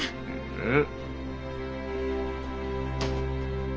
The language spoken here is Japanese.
うん。